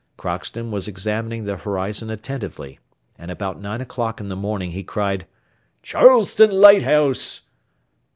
Crockston was examining the horizon attentively, and about nine o'clock in the morning he cried: "Charleston lighthouse!"